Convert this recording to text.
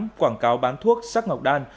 các quảng cáo bán thuốc sắc ngọc đan